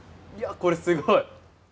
これ、すごい。